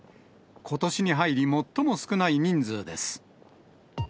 ことしに入り最も少ない人数です。